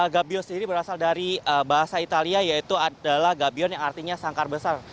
gabion sendiri berasal dari bahasa italia yaitu adalah gabion yang artinya sangkar besar